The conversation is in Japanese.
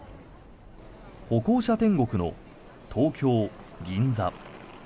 歩行者天国の東京・銀座。